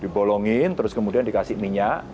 dibolongin terus kemudian dikasih minyak